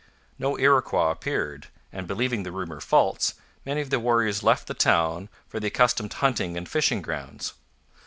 No Iroquois appeared; and, believing the rumour false, many of the warriors left the town for the accustomed hunting and fishing grounds.